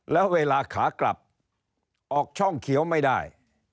แล้วเวลาขากลับออกช่องเขียวไม่ได้